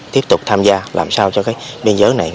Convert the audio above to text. tiếp tục tham gia làm sao cho cái biên giới này